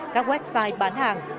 các website bán hàng